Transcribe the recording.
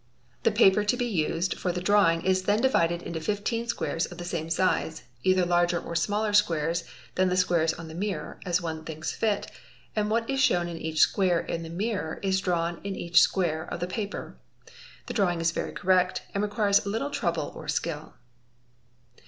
The paper to be used for the lrawing is then divided into 15 squares of the same size, either larger m smaller squares than the squares on the mirror, as one thinks fit, and vhat is shewn in each square in the mirror is drawn in each square of the aper. 'The drawing is very correct and requires little trouble or skill.